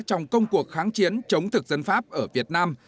trong công cuộc kháng chiến chống thực dân pháp ở việt nam